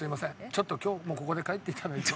ちょっと今日はもうここで帰っていただいて。